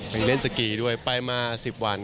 ยังเล่นสกีด้วยไปมา๑๐วัน